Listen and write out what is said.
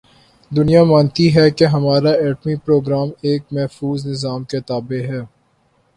دنیا مانتی ہے کہ ہمارا ایٹمی پروگرام ایک محفوظ نظام کے تابع ہے۔